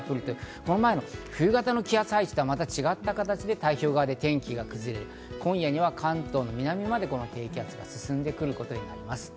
この前の冬型の気圧配置とは、また違った形で太平洋側で天気が崩れ、今夜には関東の南の方まで低気圧が進んできます。